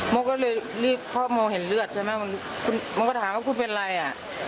โมก็เลยรีบเพราะมองเห็นเลือดใช่ไหมมันก็ถามว่าคุณเป็นอะไรอ่ะ